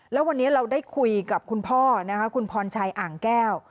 แล้ววันนี้เราได้คุยกับคุณพ่อนะคะคุณพรชัยอ่างแก้ว